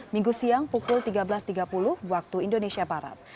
minggu siang pukul tiga belas tiga puluh waktu indonesia barat